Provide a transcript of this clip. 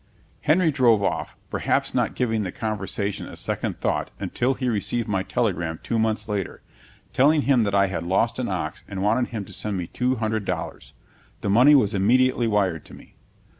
Henry drove off, perhaps not giving the conversation a second thought until he received my telegram two months later, telling him that I had lost an ox and wanted him to send me two hundred dollars. The money was immediately wired to me.